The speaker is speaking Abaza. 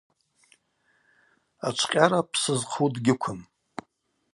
Ачвкъьара псы зхъу дгьыквым.